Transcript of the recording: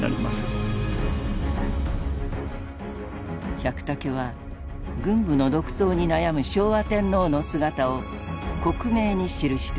百武は軍部の独走に悩む昭和天皇の姿を克明に記していた。